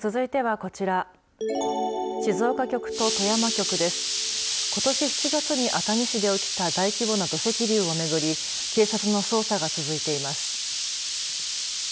ことし７月に熱海市で起きた大規模な土石流を巡り警察の捜査が続いています。